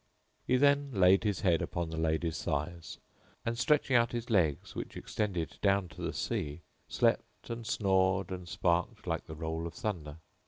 He then laid his head upon the lady's thighs; and, stretching out his legs which extended down to the sea, slept and snored and snarked like the roll of thunder.